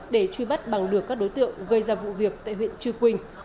để truy bắt bằng được các đối tượng gây ra vụ việc tại huyện chư quynh